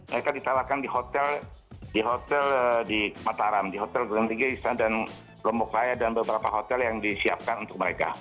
mereka ditawarkan di hotel di mataram di hotel golongan tiga istana dan lombok raya dan beberapa hotel yang disiapkan untuk mereka